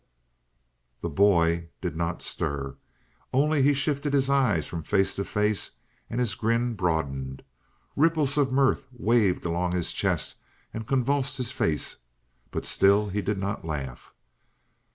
The "boy" did not stir. Only he shifted his eyes from face to face and his grin broadened. Ripples of mirth waved along his chest and convulsed his face, but still he did not laugh.